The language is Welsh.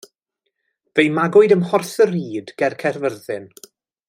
Fe'i magwyd ym Mhorthyrhyd ger Caerfyrddin.